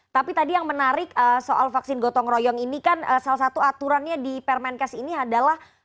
tapi tadi yang menarik soal vaksin gotong royong ini kan salah satu aturannya di permenkes ini adalah